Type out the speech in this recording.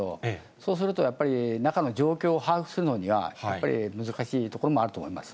そうするとやっぱり、中の状況を把握するのには、やっぱり難しいところもあると思います。